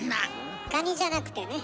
カニじゃなくてね。